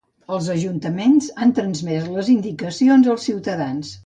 Els ajuntaments han transmès les indicacions als ciutadans.